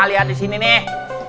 ah lihat di sini nih